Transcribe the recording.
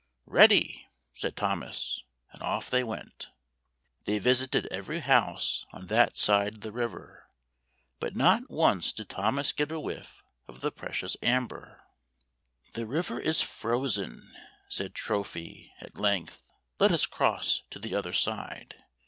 "Ready!" said Thomas, and otF they went. They visited every house on that side the river, but not once did Thomas get a whiff of the precious amber. " The river is frozen," said Trophy, at length. " Let us cross to the other side.